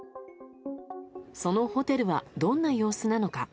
そのホテルは、どんな様子なのか。